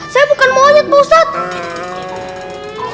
saya bukan monyet ustadz